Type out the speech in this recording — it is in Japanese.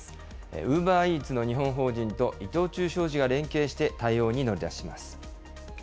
ウーバーイーツの日本法人と、伊藤忠商事が連携して対応に乗り出します。